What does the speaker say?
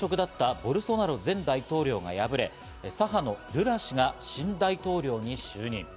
ボルソナロ前大統領が敗れ、左派のルラ氏が新大統領に就任。